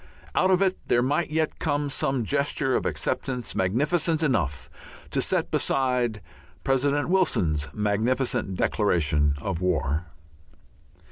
Out of it there might yet come some gesture of acceptance magnificent enough to set beside President Wilson's magnificent declaration of war.